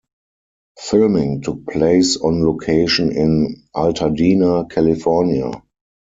Filming took place on location in Altadena, California.